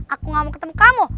aku gak mau ketemu kamu